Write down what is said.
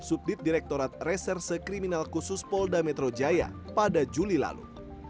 subdit direktorat reserse kriminal khusus polda metro jaya pada juli lalu